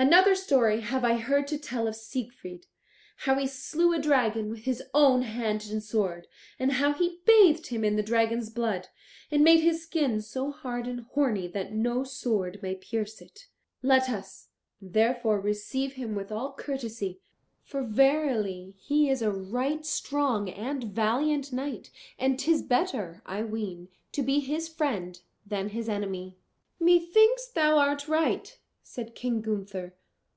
"Another story have I heard tell of Siegfried, how he slew a dragon with his own hand and sword, and how he bathed him in the dragon's blood, and made his skin so hard and horny that no sword may pierce it. Let us. therefore receive him with all courtesy; for verily he is a right strong and valiant knight, and 'tis better, I ween, to be his friend than his enemy." "Methinks thou art right," said King Gunther.